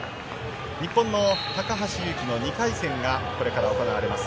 日本の高橋侑希の２回戦がこれから行われます。